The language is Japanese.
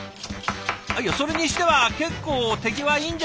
いやそれにしては結構手際いいんじゃないんですか？